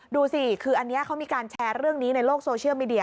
ดูสิคืออันนี้เขามีการแชร์เรื่องนี้ในโลกโซเชียลมีเดีย